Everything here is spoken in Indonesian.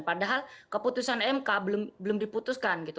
padahal keputusan mk belum diputuskan gitu